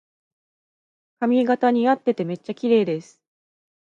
髪型にあっててめっちゃきれいです